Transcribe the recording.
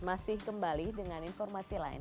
masih kembali dengan informasi lain